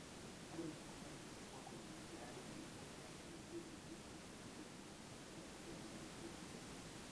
bado mkutano ulikuwa kwenye magari na mikutano mingine haikupigwa marufuku katika eneo hilo hilo